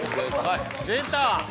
出た！